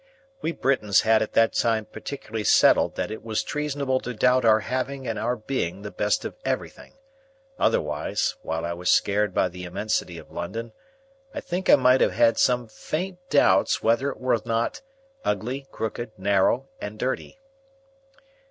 We Britons had at that time particularly settled that it was treasonable to doubt our having and our being the best of everything: otherwise, while I was scared by the immensity of London, I think I might have had some faint doubts whether it was not rather ugly, crooked, narrow, and dirty.